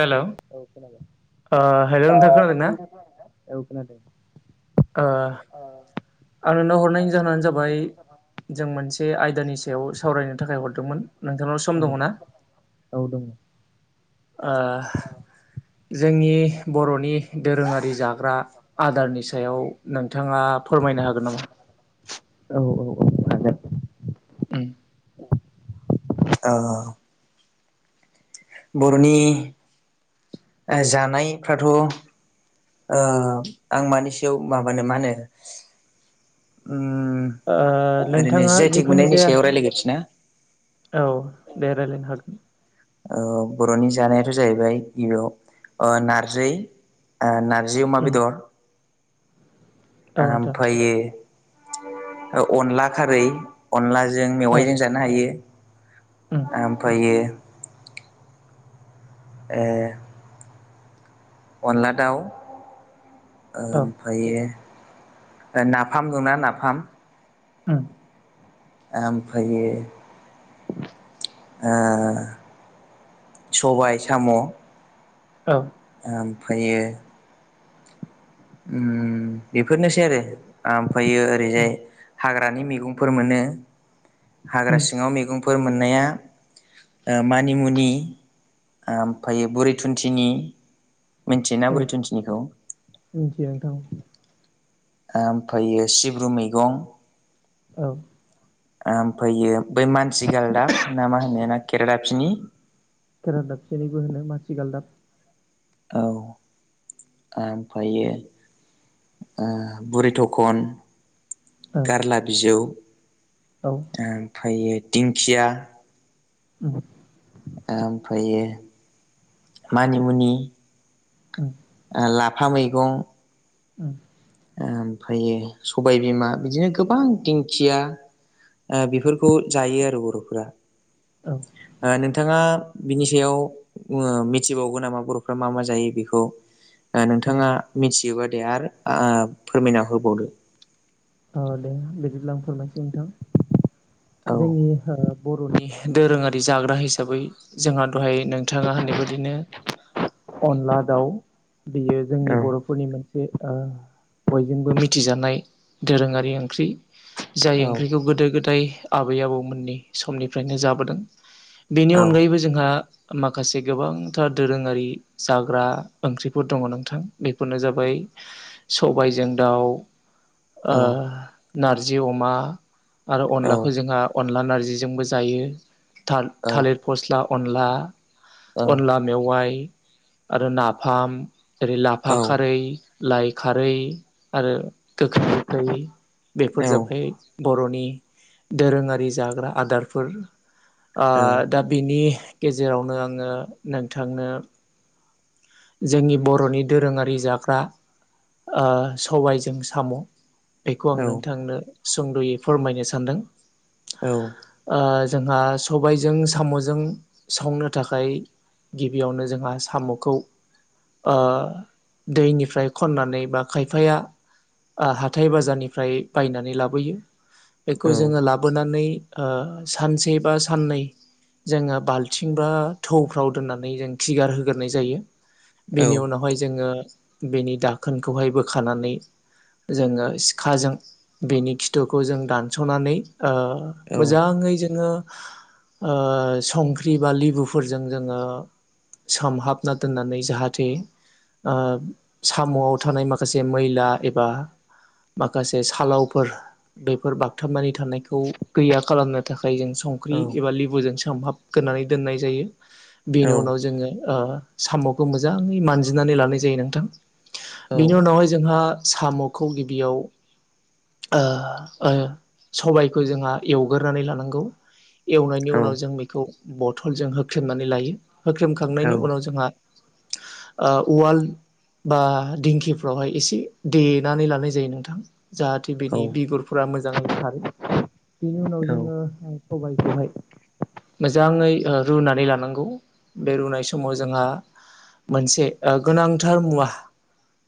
हेल' ओ हेल' नोंथां खोनादोंना ओ आं नोंनाव हरनायनि जाहोनानो जाबाय जों मोनसे आयदानि सायाव सावरायनो थाखाय हरदोंमोन। नोंथांनाव सम औ दङ' ना? औ दङ'। ओ जोंनि बर'नि दोरोङारि जा ग्रा आदारनि सायाव नोंथाङा फोरमायनो हागोन नामा? औ औ औ हागोन। उम। [inaudible] ओ बर'नि ओ जानायफ्राथ' ओ आं मानि सायाव माबानो मा होनो उम ओ ओरैनो नोंथाङा जि आइ टेक जिखुनु मोननायनि जाया सायाव रायलायग्रोसै ना औ दे रायलायनो हागोन। ओ बर'नि जानायाथ' जाहैबाय गिबियाव ओ नारजै ओ नार जि अमा उम बेदर औ ओ नोंथां आमफायो ओ अनला खारै अनला जों औ मेवाइजों जानो हायो। उम ओमफायो ए। अनला दाउ औ ओमफायो ओ नाफाम दंना नाफाम उम। ओमफायो ओ सबाय साम' औ। ओमफायो उम बेफोरनोसै आरो ओमफायो उम ओरैजाय हा ग्रानि मैगंफोर मोनो। हाग्रा उम सिङाव मैगंफोर मोननाया ओ मानिमुनि ओमफायो बुरि थुुनथिनि मिन्थियो ना औ बुरै थुनथिनिखौ? मिथियो नोंथां ओमफायो सिब्रु मैगं औ। ओमफायो बै मानसि गालदाब ना मा होनो ना खेरादाफिनि खेरादाफिनिबो होनो माथिगालदाब औ ओमफायो ओ बुरै थखन, ओ गारला बिजौ औ ओमफायो दिंखिया [unintelligible] ओमफायो मानिमुनि उम ओ लाफा मैगं ओ। ओमफायो सबाय बिमा बिदिनो गोबां दिंखिया ओ बेफोरखौ जायो आरो बर'फोरा। औ ओ नोंथाङा बिनि सायाव मिथिबावगोन नामा बर'फ्रा मा मा जायो बेखौ ओ ओ नोंथाङा मिथियोबा दे आरो फोरमायना होबावदो औ दे बिदिब्ला आं फोरमायनोसै नोंथां औ जोंनि बर'नि दोरोङारि जाग्रा हिसाबै जोंहा दहाय नोंथाङा होननाय बायदिनो अनला दाउ बियो औ जोंनि बर'फोरनि मोनसे ओ बयजोंबो मिथिजानाय दोरोङारि ओंख्रि जाय औ ओंख्रिखौ गोदो गोदाय आबै आबौमोननि समनिफ्रायनो जाबोदों बेनि औ अनगायैबो जोंहा माखासे गोबांथार दोरोङारि जाग्रा ओंख्रिफोर दङ नोंथां बेफोरनो जाबाय। सबायजों दाउ औ ओ नारजि अमा आरो औ अनलाखौ जोंहा अनला नारजि जिजोंबो जायो थालिर फस्ला अनला औ अनला मेवाइ आरो नाफाम ओरै लाफा खारै लाइ खारै आरो गोखै गोखै बेफोर जाबाय बर'नि दोरोङारि जाग्रा आदारफोर आ औ दा बिनि गेजेरावनो आङो नोंथांनो जोंनि बर'नि दोरोङारि जाग्रा ओ सबायजों साम' बेखौ आं नोंथांनो सुंद'यै फोरमायनो सानदों औ ओ जोंहा सबायजों साम'जों सावनो थाखाय गिबियावनो जोंहा साम'खौ ओ दैनिफ्राय खननानै बा खायफाया ओ हा हााथाइ बाजारनिफ्राय बायनानै लाबोयो बेखौ जोङो लाबोनानै ओ सानसे बा साननै जोङो बाल्थिं बा थौफ्राव दोननानै जों खिगार होग्रोनाय जायो। औ बेनि उनावहाय जोङो बेनि दाखोनखौहाय बोखानानै जोङो सिखाजों बेनि खिथुखौ जों दानस'नानै ओ औ मोजाङै जोङो ओ संख्रि बा लेबुफोरजों जोङो। सोमहाबना दोननानै जाहाथे ओ साम'आव थानाय माखासे मैला एबा माखासे सालावफोर बेफोर बागथाबानि थानायखौ गैया खालामनो थाखा यजों संख्रि एबा लेबुजों सोमहाबग्रोनै दोननाय जायो। बेनि उनाव जोङो ओ साम'खौ मोजाङै मानजिनानै लानाय जायो नोंथां बेनि उनावहाय जोंहा साम'खौ गिबियाव ओ ओ सबायखौ जोंहा एवग्रोनानै लानांगौ एवनायनि उनाव जों बेखौ बथलजों होख्रेमनानै लायो होख्रेमखांनायनि उनाव जोंहा आ उवाल बा दिंखिफ्रावहाय एसे दे नानै लानाय जायो नोंथां जाहाथे बिनि बिगुरफ्रा मोजाङैनो खारो। बेनि उनाव जोङो आओ सबायखौहाय मोजाङै रुनानै लानांगौ बे रुनाय समाव जोंहा मोनसे गोनांथार मुवा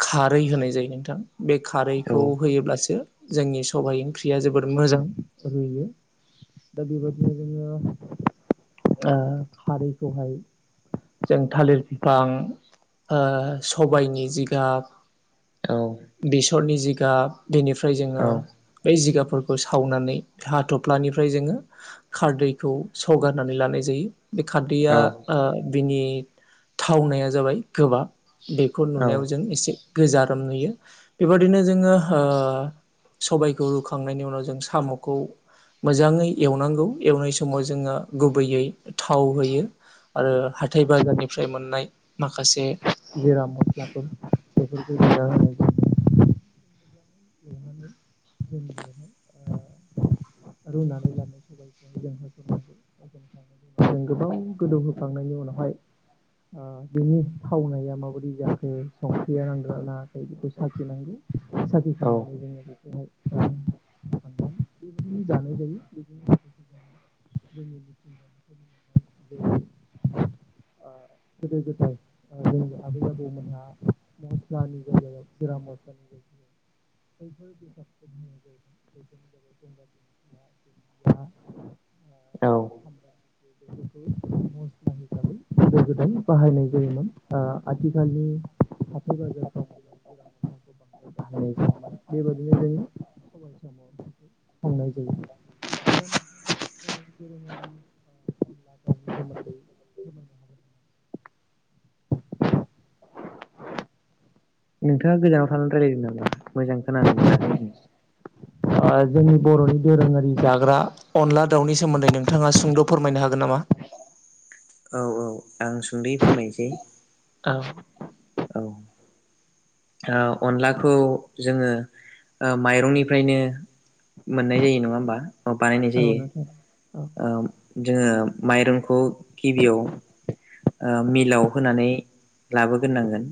खारै होनाय जायो नोंथां बे खारैखौ होयोब्लासो जोंनि सबायाइ ओंख्रिया जोबोद मोजां रुयो। दा बेबायदिनो जोङो आ खारैखौहाय जों थालिर बिफां सबायनि जिगाब बेसरनि जिगाब बेनिफ्राय जोङो बै जिगाब फोरखौ सावनानै हाथफ्लानिफ्राय जोङो खारदैखौ सरगारनानै लानाय जायो। बे खारदैया आ बिनि थावनाया जाबाय गोबाब बेखौ नुनायाव जों एसे गोजारोम नुयो बेबायदिनो जोङो ओ सबायखौ रुखांनायनि उनाव जों साम'खौ मोजाङै एवनांगौ एवनाय समाव जोङो गुबैयै थाव होयो आरो हाथाय बाजारनिफ्राय मोननाय माखासे जिरा मस्लाफोर बेफोरखौ [unintelligible] एवनानै जों बेयावहाय ओ रुनानै लानाय सबायाइखौ जों होसनांगौ जों गोबाव गोदौ होखांनायनि उनावहाय ओ बिनि थावनाया माबोरै जाखो संख्रिया नांदोंना नाङाखै बेखौ साखिनांगौ औ साखिखांनानै [unintelligible] [unintelligible] [unintelligible] गोदो गोदाय जोंनि आबै आबौ मोनहा मस्ला नि जायगायाव जिरा मस्ला नि जायगायाव [inaudible] बैफोर बेसाखौ होननाय जायोमोन बेफोरनो जाबाय गंगार दुनदिया दुनदिया। आ औ सामब्राम गुफुर बे फोरखौ नस्ला हिसाबै गोदो गोदाय बाहायनाय जायोमोन। आ आथिखालनि हाथाय बाजारफ्राव मोननाय जायामोन। [unintelligible] [unintelligible] बर'नि दोरोङारि आ अनला दावनि सोमोन्दौ फोरमायनो हागोन नामा? नोंथाङा गोजानाव थानानै रायलायदों नामा मोजां खोनानो मोनाखै आङो? आ जोंनि बर'नि दोरोङारि जाग्रा अनला दाउनि सोमोन्दै नोंथाङा सुंद' फोरमायनो हागोन नामा? औ औ आं सुंदै फोरमायनोसै। औ औ ओ अनलाखौ जोङो ओ माइरंनिफ्रायनो मोननाय जायो नङा होमबा बानायनाय औ जायो। नोंथां औ ओम जोङो माइरंखौ गिबियाव ओ मिलाव होनानै लाबोग्रो नांगोन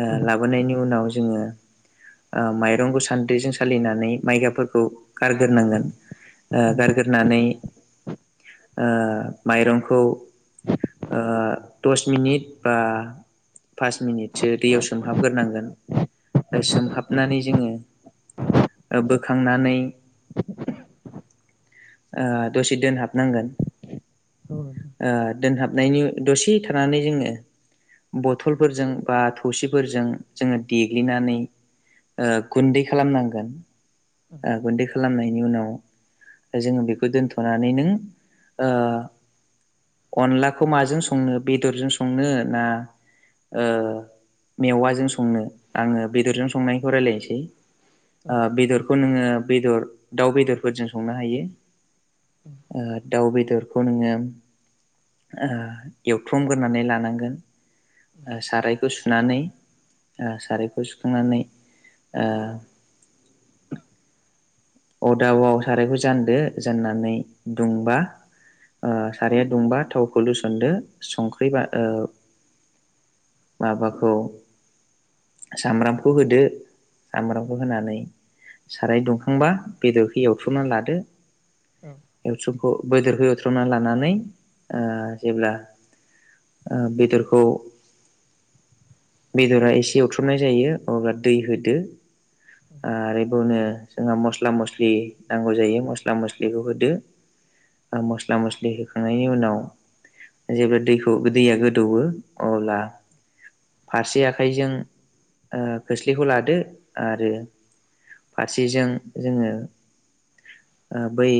ओ उम लाबोनायनि उनाव जोङो ओ माइरंखौ सान्द्रिजों सालिनानै माइगाफोरखौ गारग्रोनांगोन। उम गारग्रोनानै ओ माइरंखौ [unintelligible] ओ दस मिनिट बा पास मिनिटसो दैयाव सोमहाबग्रोनांगोन सोमहाबनानै जोङो ओ बोखांनानै आ दसे दोनहाबनांगोन औ नोंथां औ आ दोनहाब नायनि दसे थानानै जोङो बथलफोरजों बा थौसिफोरजों जोङो देग्लिनानै ओ गुन्दै खालामनांगोन ओ गुन्दै खालामनाय नि उनाव जोङो बेखौ दोनथ'नानै नो ओ अनलाखौ माजों संनो बेदरजों संनो ना ओ मेवाजों संनो आङो बेदरजों संनायखौ रायजलायनोसै। आ उम बेदरखौ नोङो बेदर दाउ बेदरफोरजों संनो हायो। ओ दाउ बेदरखौ नोङो आ एवथुमग्रोनानै लानांगोन आ सारायखौ सु नानै आ सारायखौ सुखांनानै आ [inaudible] अदाबाव सारायखौ जानदो जाननानै दुंबा ओ साराया दुंबा थावखौ लुसनदो संख्रिबा ओ माबाखौ सामब्रामखौ होदो। औ सामब्रामखौ होनानै साराय दुंखांबा बेदरखौ एवथ्रुमना लादो। औ एवस्रोमखौ बोदोरखौ एवथ्रमना लानानै ओ जेब्ला ओ बेदरखौ बेदरा एसे एवथ्रमनाय जायो अब्ला दै होदो। आरो बुंनो जोंहा मस मस्ला-मस्लि नांगौ जायो मस्ला मस्लिखौ होदो। मस्ला-मस्लि होखांनायनि उनाव जेब्ला दैखौ दैया गोदौवो अब्ला फारसे आखाइजों खोस्लिखौ लादो आरो फारसेजों जोङो ओ बै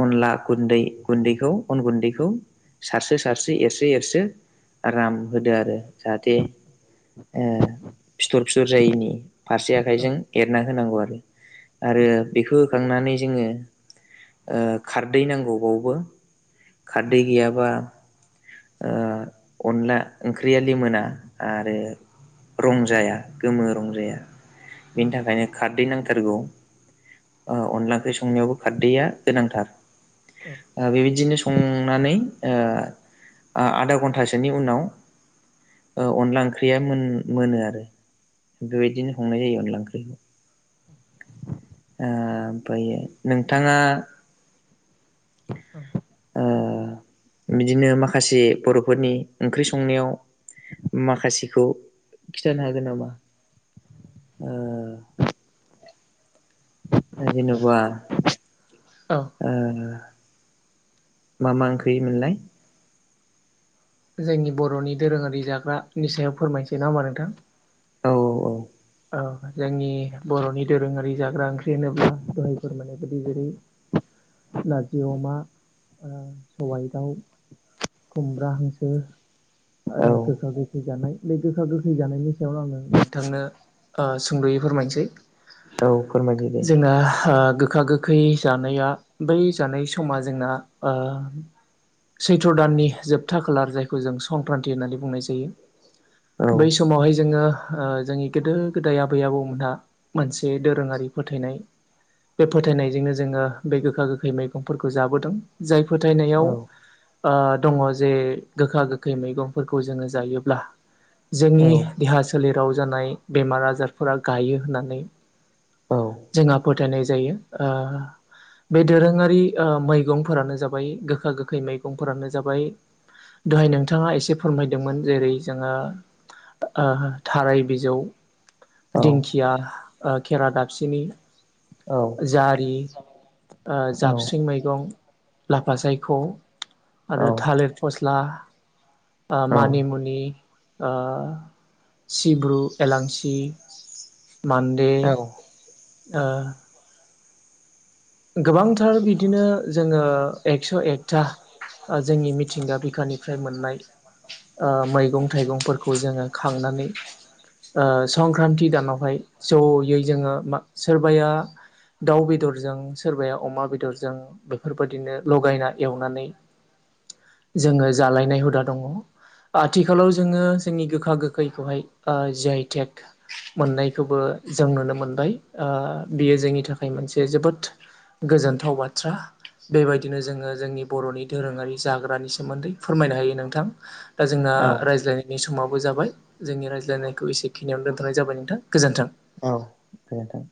अनला गुन्दै गुन्दैखौ अन गुन्दैखौ सारसो सारसो एरसो एरसो आराम होदो आरो जाहाथे ओ फिथर फिथर जायैनि। फारसे औ आखाइजों एरना होनांगौ आरो। आरो उम बेखौ होखांनानै जोङो ओ खारदै नांगौबावबो खारदै गैयाबा ओ अनला ओंख्रिया लिमोना आरो रंजाया गोमो रंजाया बेनि थाखायनो खारदै नांथारगौ। ओ अनला ओंख्रि संनायावबो खारदैया गोनांथार। उम बेबायदिनो संनानै ओ आधा घन्टासोनि उनाव अनला ओंख्रिया मोनो आरो। बेबायदिनो हंनाय जायो अनला ओंख्रिखौ। ओ ओमफ्रायो नोंथाङा ओ बिदिनो माखासे बर'फोरनि ओंख्रि संनायाव माखासेखौ खिथानो हागोन नामा? ओ जेन'बा औ औ ओ मा मा ओंख्रि मोनलाय? जोंनि बर'नि दोरोङारि जाग्रानि सायाव फोरमायसै नंङाओमबा नोंथां औ औ औ जोंनि बर'नि दोरोङारि जाग्रा ओंख्रि होनोब्ला दहायफोर माने बायदि जेरै नारजि अमा ओ सबायाइ दाउ खुमब्रा हांसो औ आरो गोखा गोखै जानाय बे गोखा गोखै जानायनि सायाव आङो नोंथांनो ओ सुंद'यै फोरमायनोसै औ फोरमायदो दे जोंना गोखा गो गोखै जानाया बै जानाय समा जोंना ओ सैथ्र' दाननि जोबथा खालार जायखौ जों संक्रान्ति होननानै बुंनाय जायो। औ बै समावहाय जोङो ओ जोंनि गोदो-गोदाय आबै आबौमोनहा मोनसे दोरोङारि फोथायनाय बे फोथायनायजोंनो जोङो बे गोखा-गोखै मैगंफोरखौ जाबोदों जाय फोथायनायाव औ ओ दङ जे गोखा-गोखै मैगंफोरखौ जोङो जायोब्ला औ जोंनि देहा सोलेराव जानाय बेमार आजारफोरा गायो होननानै औ जोंहा फोथायनाय जायो। ओ बे दोरोङारि ओ मैगंफोरानो जाबाय गोखा-गोखै मैगंफोरानो जाबाय दहाय नोंथाङा एसे फोरमायदोंमोन जेरै जोङो ओ थाराय बिजौ दिंखिया ओ खेरा दाफिनि औ जारि। ओ औ जाबस्रिं मैगं, लाफा सायख' आरो औ थालिर फसला ओ औ मानिमुनि ओ सिब्रु एलांसि, मान्दे औ ओ गोबांथार बिदिनो जोङो एकस' एकथा। ओ जोंनि मिथिंगा बिखानिफ्राय मोननाय। ओ मैगं थाइगंफोरखौ जोङो खांनानै ओ संक्रान्ति दानावहाय जयै जोङो मा सोरबाया दाउ बेदरजों सोरबाया अमा बेदरजों बेफोरबायदिनो लगायना एवनानै जोङो जालायनाय हुदा दङ' आथिखालाव जोङो जोंनि गोखा गोखैखौहाय ओ जिआयटेक मोननायखौबो जों नुनो मोनबाय ओ बियो जोंनि थाखाय मोनसे जोबोद गोजोनथाव बाथ्रा। बेबायदिनो जोङो जोंनि बर'नि दधोरोङारि जाग्रानि सोमोन्दै फोरमायनो हायो नोंथां। दा जोंना औ आ रायज्लायनायनि समाबो जाबाय। जोंनि रायज्लायनायखौ एसेखिनियावनो दोन्थ'नाय जाबाय नोंथां गोजोन्थों। औ गोजोनथों।